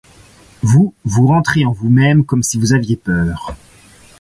Vous, vous rentrez en vous-même comme si vous aviez peur.